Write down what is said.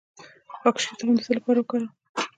د خاکشیر تخم د څه لپاره وکاروم؟